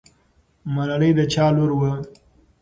ملالۍ د چا لور وه؟